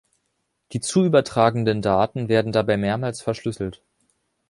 Die zu übertragenden Daten werden dabei mehrmals verschlüsselt.